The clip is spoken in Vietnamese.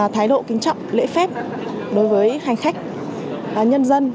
thái độ kính trọng lễ phép đối với hành khách nhân dân